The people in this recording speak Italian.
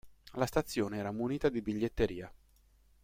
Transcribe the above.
La stazione era munita di biglietteria.